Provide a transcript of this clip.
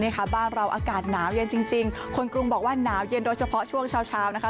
บ้านเราอากาศหนาวเย็นจริงคนกรุงบอกว่าหนาวเย็นโดยเฉพาะช่วงเช้าเช้านะคะ